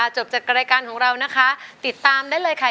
จบจากรายการของเรานะคะติดตามได้เลยค่ะ